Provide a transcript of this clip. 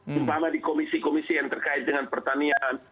misalnya di komisi komisi yang terkait dengan pertanian